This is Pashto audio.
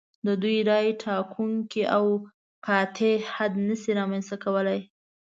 د دوی رایې ټاکونکی او قاطع حد نشي رامنځته کولای.